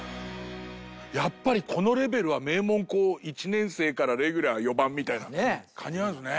やっぱりこのレベルは名門校１年生からレギュラー４番みたいな感じなんですね。